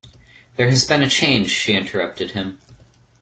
There has been a change, she interrupted him.